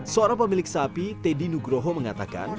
seorang pemilik sapi teddy nugroho mengatakan